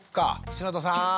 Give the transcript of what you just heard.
篠田さん！